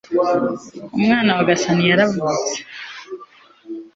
umwana wa gasani yaravutse